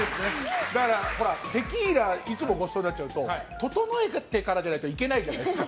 テキーラいつもごちそうになっちゃうと整えてからじゃないと行けないじゃないですか。